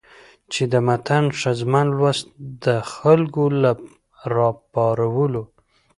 چې د متن ښځمن لوست د خلکو له راپارولو